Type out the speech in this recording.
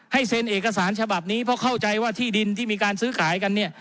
เซ็นเอกสารฉบับนี้เพราะเข้าใจว่าที่ดินที่มีการซื้อขายกันเนี่ย